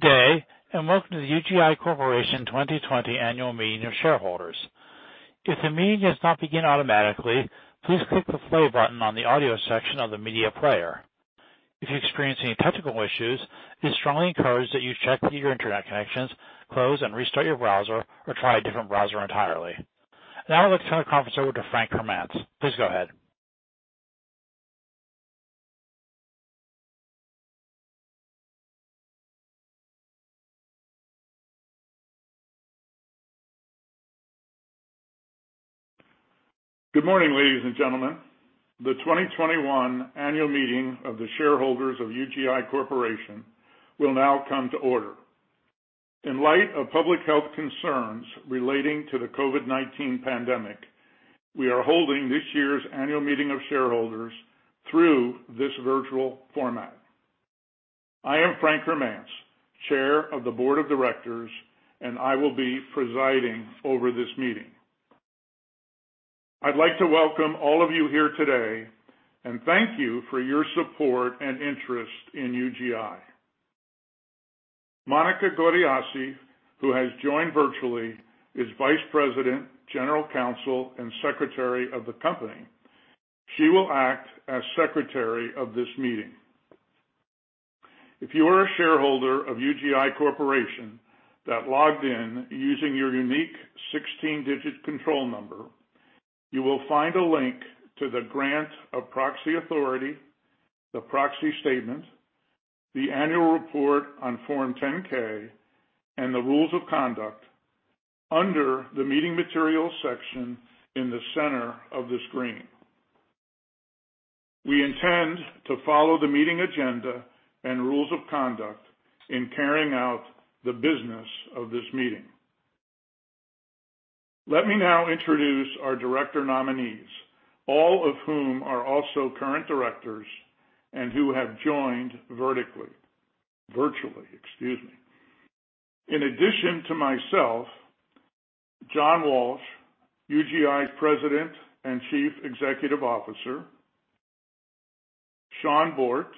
Good day, and welcome to the UGI Corporation 2020 Annual Meeting of Shareholders. If the meeting does not begin automatically, please click the play button on the audio section of the media player. If you experience any technical issues, it is strongly encouraged that you check your internet connections, close and restart your browser, or try a different browser entirely. Now I would like to turn the conference over to Frank Hermance. Please go ahead. Good morning, ladies and gentlemen. The 2021 annual meeting of the shareholders of UGI Corporation will now come to order. In light of public health concerns relating to the COVID-19 pandemic, we are holding this year's annual meeting of shareholders through this virtual format. I am Frank Hermance, Chair of the Board of Directors, and I will be presiding over this meeting. I'd like to welcome all of you here today and thank you for your support and interest in UGI. Monica Gaudiosi, who has joined virtually, is Vice President, General Counsel, and Secretary of the company. She will act as secretary of this meeting. If you are a shareholder of UGI Corporation that logged in using your unique 16-digit control number, you will find a link to the grant of proxy authority, the proxy statement, the annual report on Form 10-K, and the rules of conduct under the Meeting Materials section in the center of the screen. We intend to follow the meeting agenda and rules of conduct in carrying out the business of this meeting. Let me now introduce our director nominees, all of whom are also current directors and who have joined virtually. Virtually, excuse me. In addition to myself, John Walsh, UGI's President and Chief Executive Officer, Shawn Bort,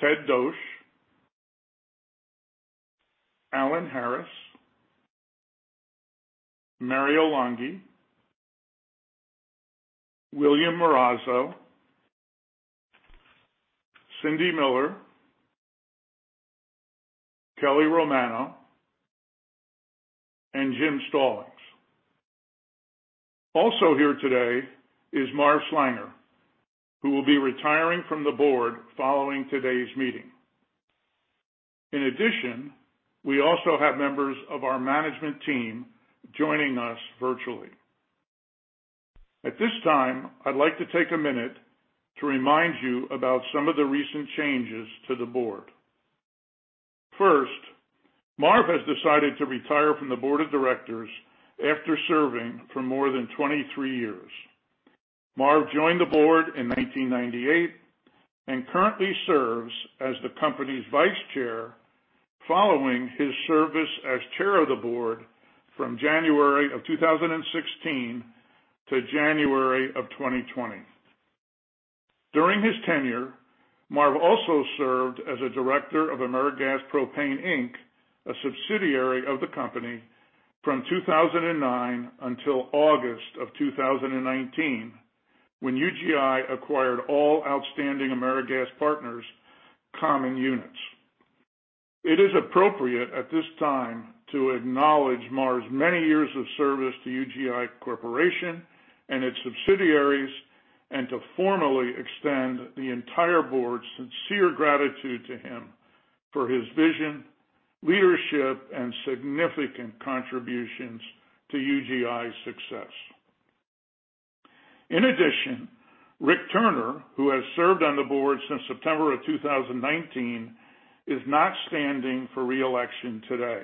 Ted Dosch, Alan Harris, Mario Longhi, William Marrazzo, Cindy Miller, Kelly Romano, and Jim Stallings. Also here today is Marv Schlanger, who will be retiring from the board following today's meeting. In addition, we also have members of our management team joining us virtually. At this time, I'd like to take a minute to remind you about some of the recent changes to the board. First, Marv has decided to retire from the Board of Directors after serving for more than 23 years. Marv joined the board in 1998 and currently serves as the company's vice chair following his service as Chair of the Board from January of 2016 to January of 2020. During his tenure, Marv also served as a director of AmeriGas Propane, Inc., a subsidiary of the company, from 2009 until August of 2019, when UGI acquired all outstanding AmeriGas Partners common units. It is appropriate at this time to acknowledge Marv's many years of service to UGI Corporation and its subsidiaries, and to formally extend the entire board's sincere gratitude to him for his vision, leadership, and significant contributions to UGI's success. In addition, Rick Turner, who has served on the board since September of 2019, is not standing for re-election today.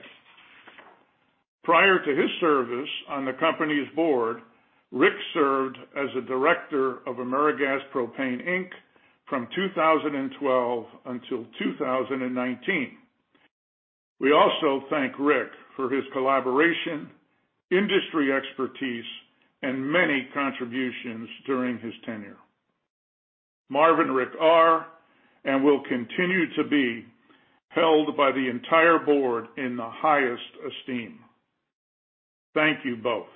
Prior to his service on the company's board, Rick served as a director of AmeriGas Propane, Inc. from 2012 until 2019. We also thank Rick for his collaboration, industry expertise, and many contributions during his tenure. Marv and Rick are, and will continue to be, held by the entire board in the highest esteem. Thank you both.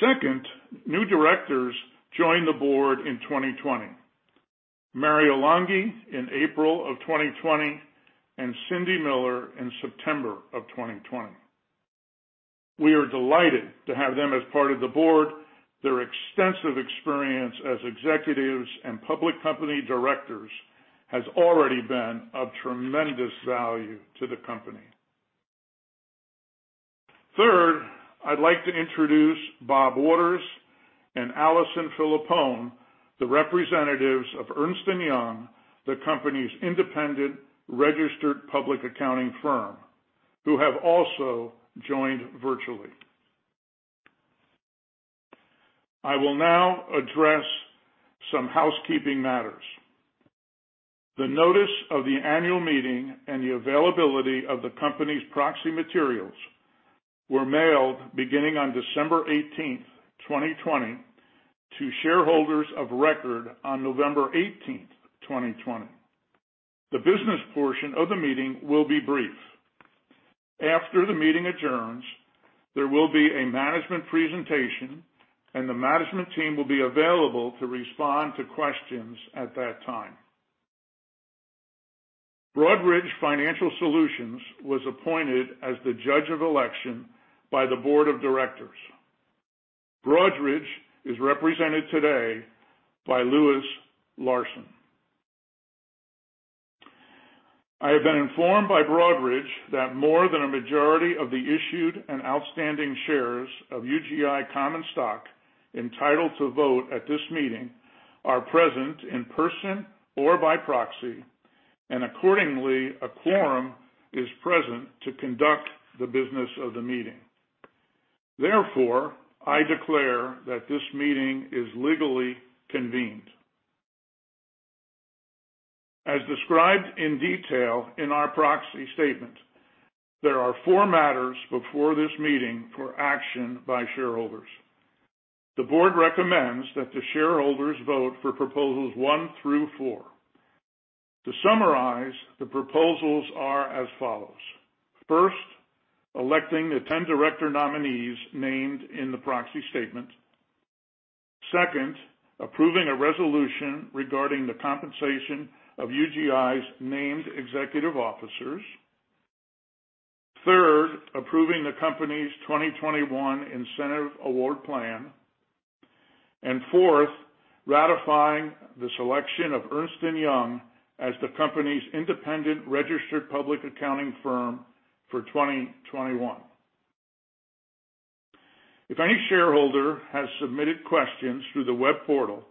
Second, new directors joined the board in 2020. Mario Longhi in April of 2020 and Cindy Miller in September of 2020. We are delighted to have them as part of the board. Their extensive experience as executives and public company directors has already been of tremendous value to the company. Third, I'd like to introduce Bob Waters and Alison Filippone, the representatives of Ernst & Young, the company's independent registered public accounting firm, who have also joined virtually. I will now address some housekeeping matters. The notice of the annual meeting and the availability of the company's proxy materials were mailed beginning on December 18, 2020 to shareholders of record on November 18, 2020. The business portion of the meeting will be brief. After the meeting adjourns, there will be a management presentation, and the management team will be available to respond to questions at that time. Broadridge Financial Solutions was appointed as the judge of election by the board of directors. Broadridge is represented today by Lewis Larson. I have been informed by Broadridge that more than a majority of the issued and outstanding shares of UGI common stock entitled to vote at this meeting are present in person or by proxy, and accordingly, a quorum is present to conduct the business of the meeting. Therefore, I declare that this meeting is legally convened. As described in detail in our proxy statement, there are four matters before this meeting for action by shareholders. The board recommends that the shareholders vote for proposals one through four. To summarize, the proposals are as follows. First, electing the 10 director nominees named in the proxy statement. Second, approving a resolution regarding the compensation of UGI's named executive officers. Third, approving the company's 2021 incentive award plan. Fourth, ratifying the selection of Ernst & Young as the company's independent registered public accounting firm for 2021. If any shareholder has submitted questions through the web portal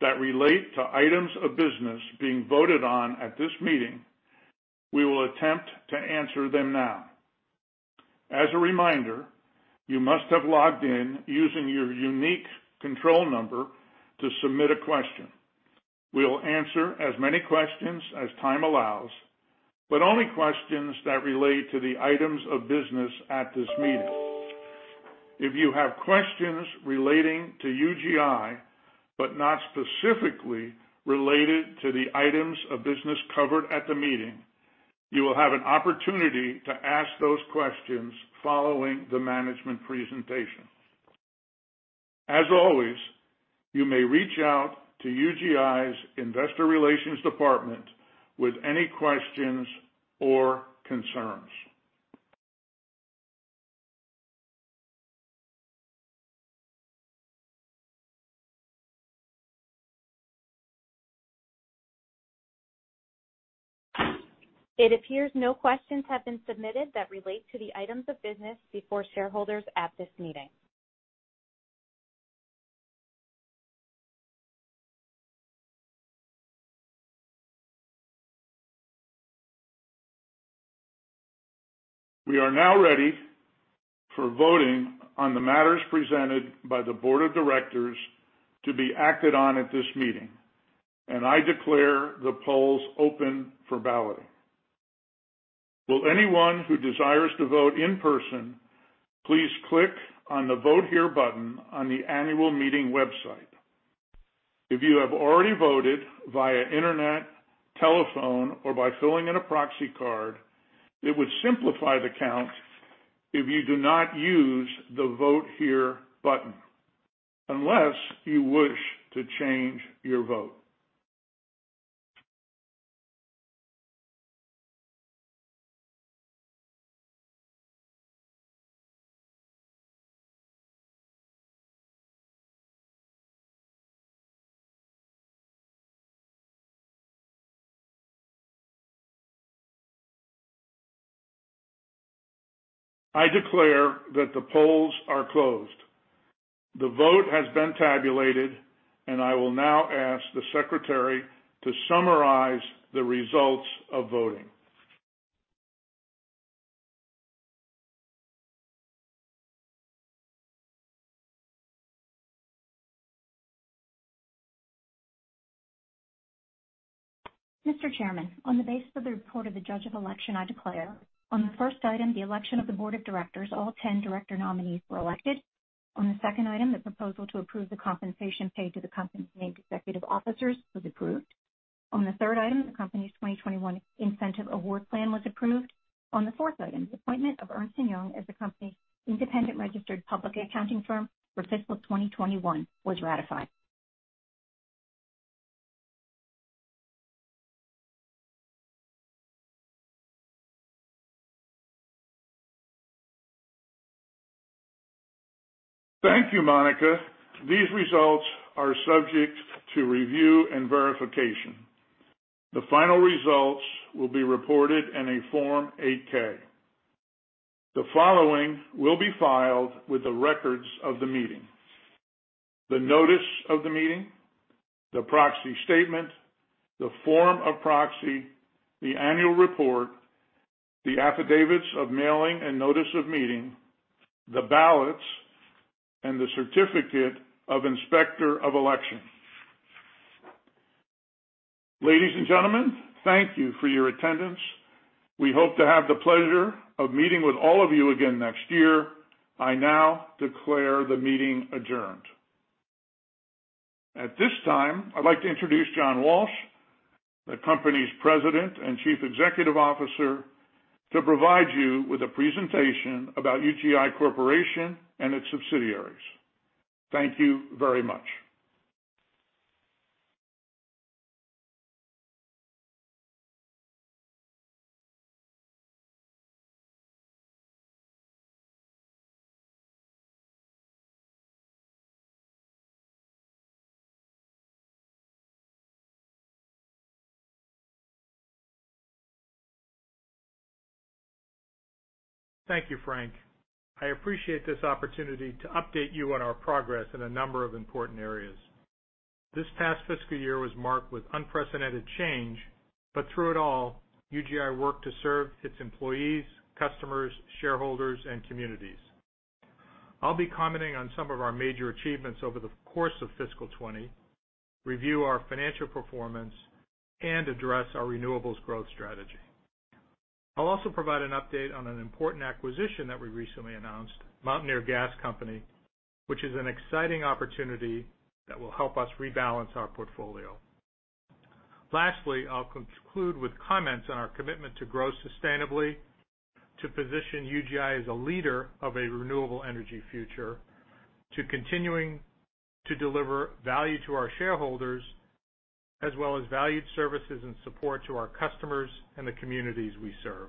that relate to items of business being voted on at this meeting, we will attempt to answer them now. As a reminder, you must have logged in using your unique control number to submit a question. We'll answer as many questions as time allows, but only questions that relate to the items of business at this meeting. If you have questions relating to UGI, but not specifically related to the items of business covered at the meeting, you will have an opportunity to ask those questions following the management presentation. As always, you may reach out to UGI's Investor Relations Department with any questions or concerns. It appears no questions have been submitted that relate to the items of business before shareholders at this meeting. We are now ready for voting on the matters presented by the Board of Directors to be acted on at this meeting, and I declare the polls open for balloting. Will anyone who desires to vote in person please click on the Vote Here button on the annual meeting website? If you have already voted via internet, telephone, or by filling in a proxy card, it would simplify the count if you do not use the Vote Here button, unless you wish to change your vote. I declare that the polls are closed. The vote has been tabulated, and I will now ask the secretary to summarize the results of voting. Mr. Chairman, on the basis of the report of the judge of election, I declare on the first item, the election of the board of directors, all 10 director nominees were elected. On the second item, the proposal to approve the compensation paid to the company's named executive officers was approved. On the third item, the company's 2021 incentive award plan was approved. On the fourth item, the appointment of Ernst & Young as the company's independent registered public accounting firm for fiscal 2021 was ratified. Thank you, Monica. These results are subject to review and verification. The final results will be reported in a Form 8-K. The following will be filed with the records of the meeting: the notice of the meeting, the proxy statement, the form of proxy, the annual report, the affidavits of mailing and notice of meeting, the ballots, and the certificate of inspector of election. Ladies and gentlemen, thank you for your attendance. We hope to have the pleasure of meeting with all of you again next year. I now declare the meeting adjourned. At this time, I'd like to introduce John Walsh, the company's President and Chief Executive Officer, to provide you with a presentation about UGI Corporation and its subsidiaries. Thank you very much. Thank you, Frank. I appreciate this opportunity to update you on our progress in a number of important areas. This past fiscal year was marked with unprecedented change, but through it all, UGI worked to serve its employees, customers, shareholders, and communities. I'll be commenting on some of our major achievements over the course of fiscal 2020, review our financial performance, and address our renewables growth strategy. I'll also provide an update on an important acquisition that we recently announced, Mountaineer Gas Company, which is an exciting opportunity that will help us rebalance our portfolio. Lastly, I'll conclude with comments on our commitment to grow sustainably, to position UGI as a leader of a renewable energy future, to continuing to deliver value to our shareholders, as well as valued services and support to our customers and the communities we serve.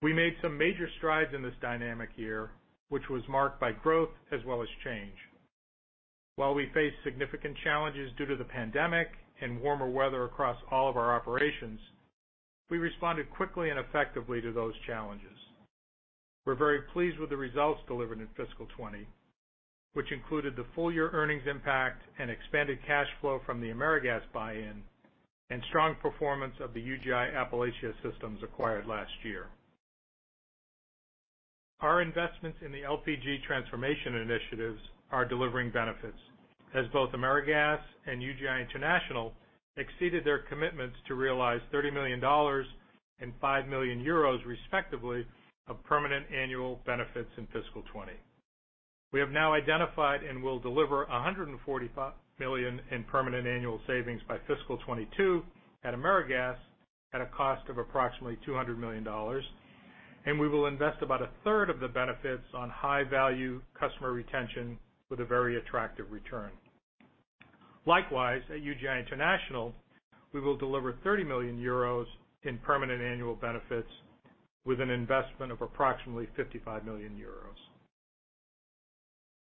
We made some major strides in this dynamic year, which was marked by growth as well as change. While we faced significant challenges due to the pandemic and warmer weather across all of our operations, we responded quickly and effectively to those challenges. We're very pleased with the results delivered in fiscal 2020, which included the full-year earnings impact and expanded cash flow from the AmeriGas buy-in and strong performance of the UGI Appalachia systems acquired last year. Our investments in the LPG transformation initiatives are delivering benefits as both AmeriGas and UGI International exceeded their commitments to realize $30 million and 5 million euros, respectively, of permanent annual benefits in fiscal 2020. We have now identified and will deliver $145 million in permanent annual savings by fiscal 2022 at AmeriGas at a cost of approximately $200 million. We will invest about a third of the benefits on high-value customer retention with a very attractive return. Likewise, at UGI International, we will deliver 30 million euros in permanent annual benefits with an investment of approximately 55 million euros.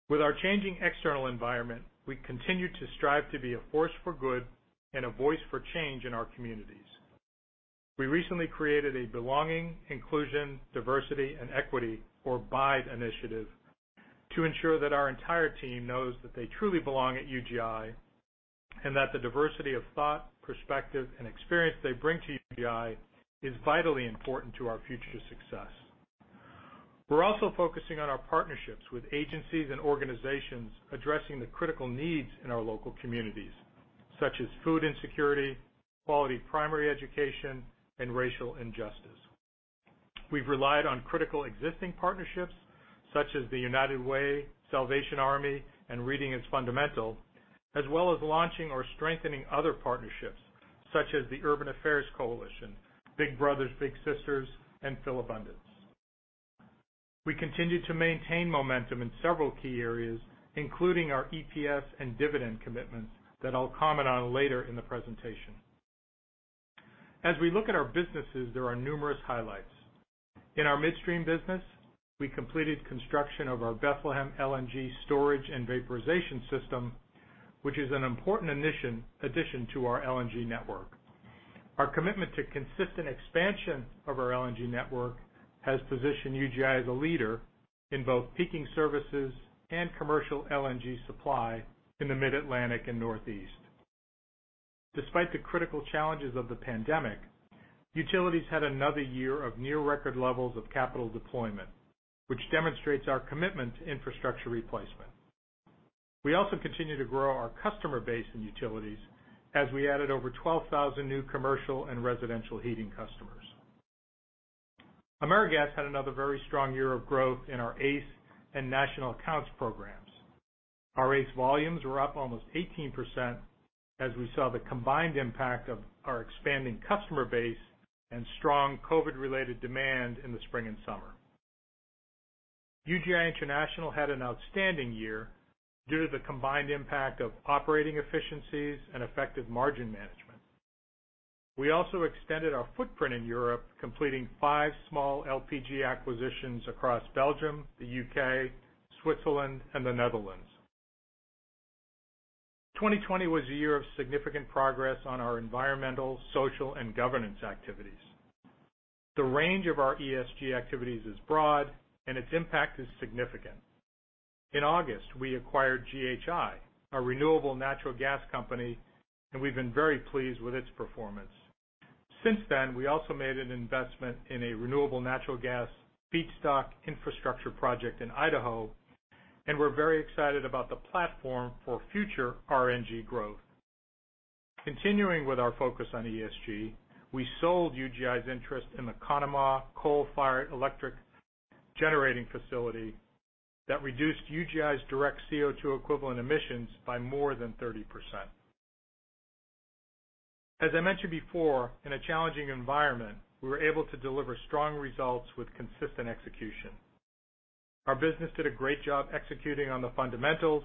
With our changing external environment, we continue to strive to be a force for good and a voice for change in our communities. We recently created a Belonging, Inclusion, Diversity, and Equity, or BIDE initiative, to ensure that our entire team knows that they truly belong at UGI, and that the diversity of thought, perspective, and experience they bring to UGI is vitally important to our future success. We're also focusing on our partnerships with agencies and organizations addressing the critical needs in our local communities, such as food insecurity, quality primary education, and racial injustice. We've relied on critical existing partnerships such as the United Way, Salvation Army, and Reading Is Fundamental, as well as launching or strengthening other partnerships such as the Urban Affairs Coalition, Big Brothers Big Sisters, and Philabundance. We continue to maintain momentum in several key areas, including our EPS and dividend commitments that I'll comment on later in the presentation. As we look at our businesses, there are numerous highlights. In our midstream business, we completed construction of our Bethlehem LNG storage and vaporization system, which is an important addition to our LNG network. Our commitment to consistent expansion of our LNG network has positioned UGI as a leader in both peaking services and commercial LNG supply in the Mid-Atlantic and Northeast. Despite the critical challenges of the pandemic, utilities had another year of near-record levels of capital deployment, which demonstrates our commitment to infrastructure replacement. We also continue to grow our customer base in utilities as we added over 12,000 new commercial and residential heating customers. AmeriGas had another very strong year of growth in our ACE and National Accounts programs. Our ACE volumes were up almost 18% as we saw the combined impact of our expanding customer base and strong COVID-related demand in the spring and summer. UGI International had an outstanding year due to the combined impact of operating efficiencies and effective margin management. We also extended our footprint in Europe, completing five small LPG acquisitions across Belgium, the U.K., Switzerland, and the Netherlands. 2020 was a year of significant progress on our environmental, social, and governance activities. The range of our ESG activities is broad, and its impact is significant. In August, we acquired GHI, a renewable natural gas company, and we've been very pleased with its performance. Since then, we also made an investment in a renewable natural gas feedstock infrastructure project in Idaho, and we're very excited about the platform for future RNG growth. Continuing with our focus on ESG, we sold UGI's interest in the Conemaugh coal-fired electric generating facility that reduced UGI's direct CO2 equivalent emissions by more than 30%. As I mentioned before, in a challenging environment, we were able to deliver strong results with consistent execution. Our business did a great job executing on the fundamentals,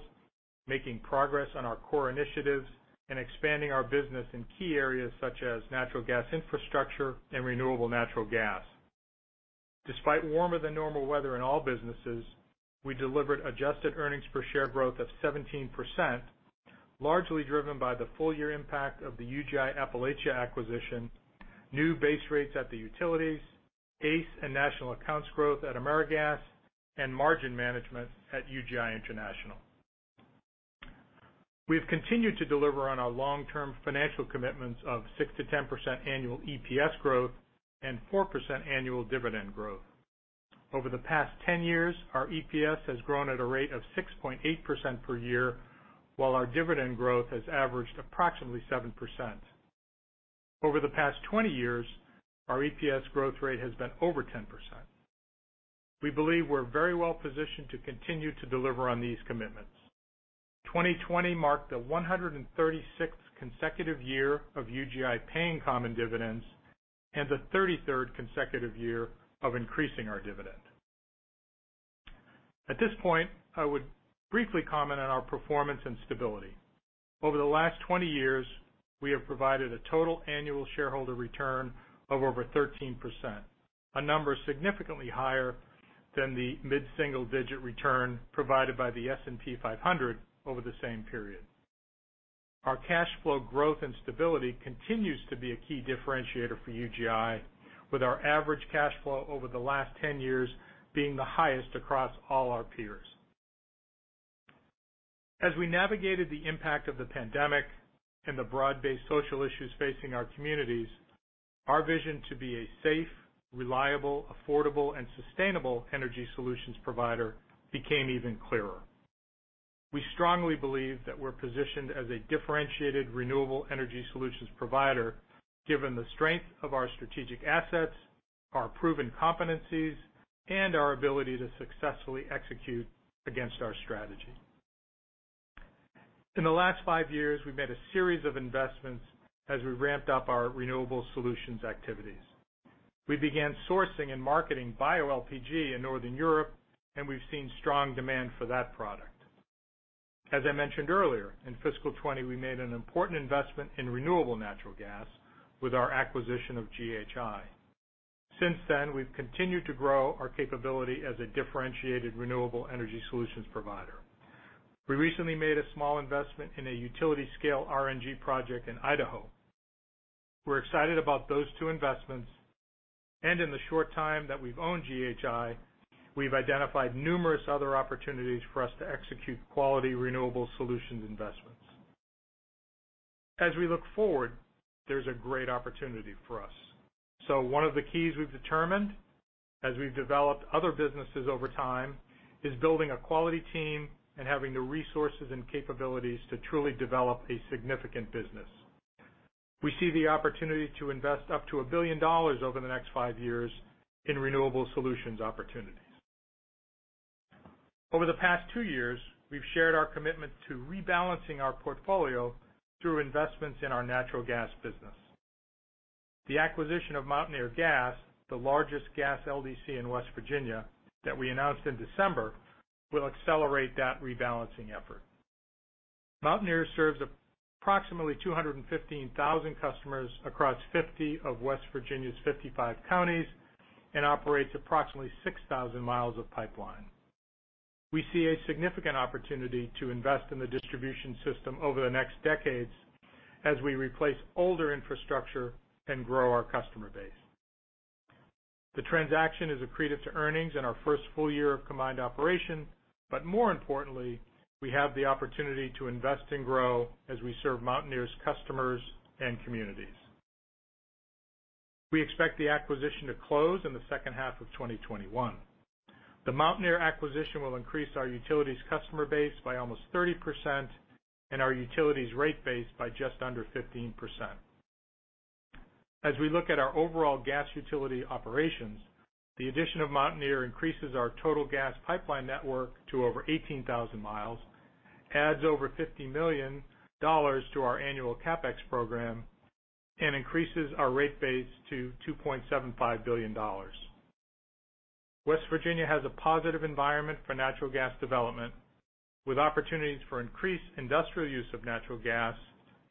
making progress on our core initiatives, and expanding our business in key areas such as natural gas infrastructure and renewable natural gas. Despite warmer than normal weather in all businesses, we delivered adjusted earnings per share growth of 17%, largely driven by the full-year impact of the UGI Appalachia acquisition, new base rates at the utilities, ACE and National Accounts growth at AmeriGas, and margin management at UGI International. We have continued to deliver on our long-term financial commitments of 6%-10% annual EPS growth and 4% annual dividend growth. Over the past 10 years, our EPS has grown at a rate of 6.8% per year, while our dividend growth has averaged approximately 7%. Over the past 20 years, our EPS growth rate has been over 10%. We believe we're very well positioned to continue to deliver on these commitments. 2020 marked the 136th consecutive year of UGI paying common dividends and the 33rd consecutive year of increasing our dividend. At this point, I would briefly comment on our performance and stability. Over the last 20 years, we have provided a total annual shareholder return of over 13%, a number significantly higher than the mid-single-digit return provided by the S&P 500 over the same period. Our cash flow growth and stability continues to be a key differentiator for UGI, with our average cash flow over the last 10 years being the highest across all our peers. As we navigated the impact of the pandemic and the broad-based social issues facing our communities, our vision to be a safe, reliable, affordable, and sustainable energy solutions provider became even clearer. We strongly believe that we're positioned as a differentiated renewable energy solutions provider, given the strength of our strategic assets, our proven competencies, and our ability to successfully execute against our strategy. In the last five years, we've made a series of investments as we ramped up our renewable solutions activities. We began sourcing and marketing bioLPG in Northern Europe, and we've seen strong demand for that product. As I mentioned earlier, in fiscal 2020, we made an important investment in renewable natural gas with our acquisition of GHI. Since then, we've continued to grow our capability as a differentiated renewable energy solutions provider. We recently made a small investment in a utility-scale RNG project in Idaho. We're excited about those two investments, and in the short time that we've owned GHI, we've identified numerous other opportunities for us to execute quality renewable solutions investments. As we look forward, there's a great opportunity for us. One of the keys we've determined as we've developed other businesses over time is building a quality team and having the resources and capabilities to truly develop a significant business. We see the opportunity to invest up to $1 billion over the next five years in renewable solutions opportunities. Over the past two years, we've shared our commitment to rebalancing our portfolio through investments in our natural gas business. The acquisition of Mountaineer Gas, the largest gas LDC in West Virginia, that we announced in December, will accelerate that rebalancing effort. Mountaineer serves approximately 215,000 customers across 50 of West Virginia's 55 counties and operates approximately 6,000 mi of pipeline. We see a significant opportunity to invest in the distribution system over the next decades as we replace older infrastructure and grow our customer base. The transaction is accretive to earnings in our first full year of combined operation, but more importantly, we have the opportunity to invest and grow as we serve Mountaineer's customers and communities. We expect the acquisition to close in the second half of 2021. The Mountaineer acquisition will increase our utilities customer base by almost 30% and our utilities rate base by just under 15%. As we look at our overall gas utility operations, the addition of Mountaineer increases our total gas pipeline network to over 18,000 mi, adds over $50 million to our annual CapEx program, and increases our rate base to $2.75 billion. West Virginia has a positive environment for natural gas development, with opportunities for increased industrial use of natural gas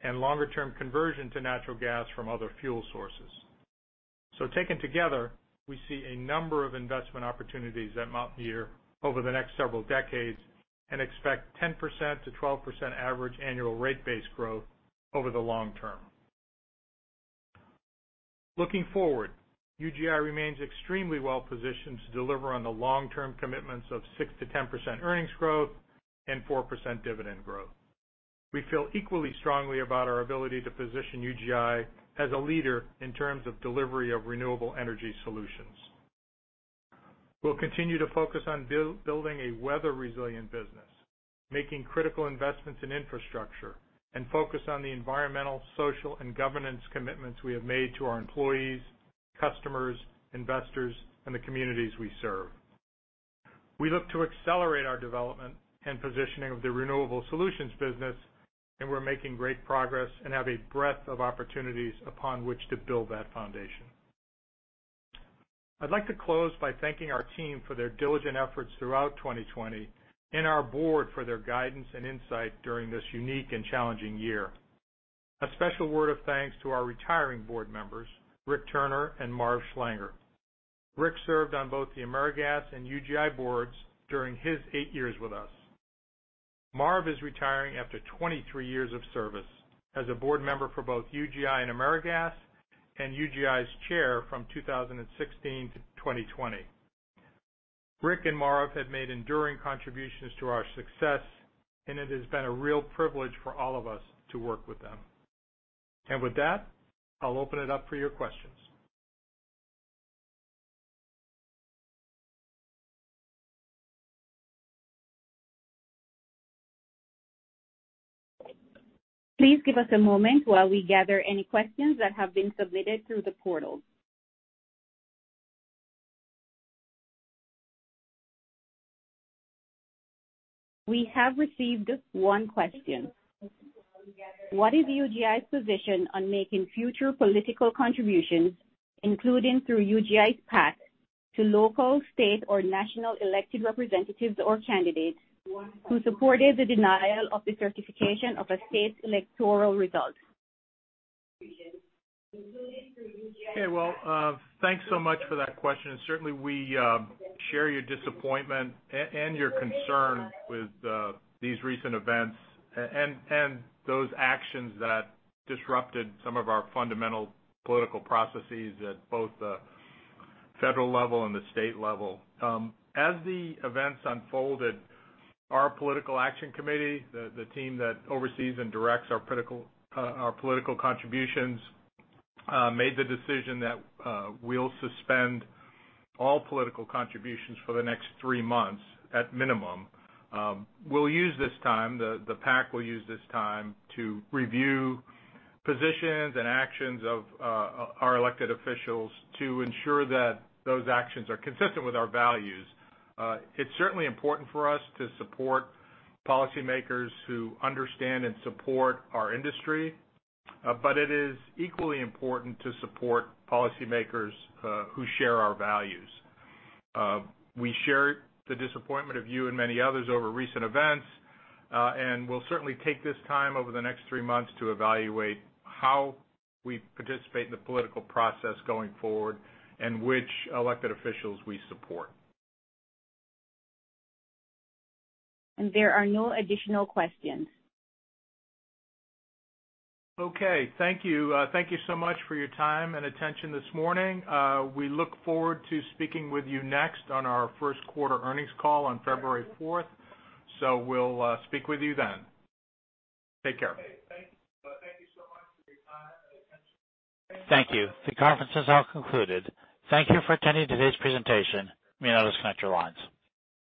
and longer-term conversion to natural gas from other fuel sources. Taken together, we see a number of investment opportunities at Mountaineer over the next several decades and expect 10%-12% average annual rate base growth over the long term. Looking forward, UGI remains extremely well positioned to deliver on the long-term commitments of 6%-10% earnings growth and 4% dividend growth. We feel equally strongly about our ability to position UGI as a leader in terms of delivery of renewable energy solutions. We'll continue to focus on building a weather-resilient business, making critical investments in infrastructure, and focus on the environmental, social, and governance commitments we have made to our employees, customers, investors, and the communities we serve. We look to accelerate our development and positioning of the renewable solutions business, and we're making great progress and have a breadth of opportunities upon which to build that foundation. I'd like to close by thanking our team for their diligent efforts throughout 2020 and our board for their guidance and insight during this unique and challenging year. A special word of thanks to our retiring board members, Rick Turner and Marv Schlanger. Rick served on both the AmeriGas and UGI boards during his eight years with us. Marv is retiring after 23 years of service as a board member for both UGI and AmeriGas and UGI's Chair from 2016 to 2020. Rick and Marv have made enduring contributions to our success. It has been a real privilege for all of us to work with them. With that, I'll open it up for your questions. Please give us a moment while we gather any questions that have been submitted through the portal. We have received one question. What is UGI's position on making future political contributions, including through UGI's PAC, to local, state, or national elected representatives or candidates who supported the denial of the certification of a state's electoral results? Okay. Well, thanks so much for that question. Certainly, we share your disappointment and your concern with these recent events and those actions that disrupted some of our fundamental political processes at both the federal level and the state level. As the events unfolded, our political action committee, the team that oversees and directs our political contributions, made the decision that we'll suspend all political contributions for the next three months at minimum. We'll use this time, the PAC will use this time to review positions and actions of our elected officials to ensure that those actions are consistent with our values. It's certainly important for us to support policymakers who understand and support our industry, it is equally important to support policymakers who share our values. We share the disappointment of you and many others over recent events. We'll certainly take this time over the next three months to evaluate how we participate in the political process going forward and which elected officials we support. There are no additional questions. Okay. Thank you. Thank you so much for your time and attention this morning. We look forward to speaking with you next on our first quarter earnings call on February 4th. We'll speak with you then. Take care. Thank you. The conference has now concluded. Thank you for attending today's presentation. You may disconnect your lines.